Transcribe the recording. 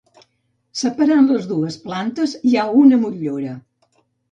Separant les dues plantes hi ha una motllura.